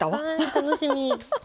楽しみ！